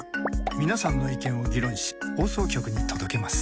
皆さんの意見を議論し放送局に届けます。